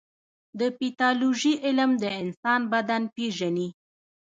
د پیتالوژي علم د انسان بدن پېژني.